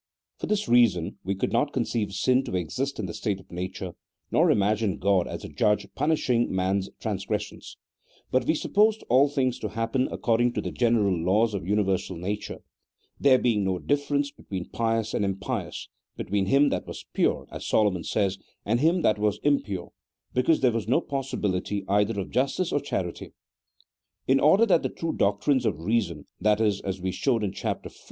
For this reason we could not conceive sin to exist in the state of nature, nor imagine God as a judge punishing man's transgressions ; but we supposed all things to hap pen according to the general laws of universal nature, there being no difference between pious and impious, between him that was pure (as Solomon says) and him that was impure, because there was no possibility either of justice or charity. In order that the true doctrines of reason, that is (as we showed in Chapter IT.)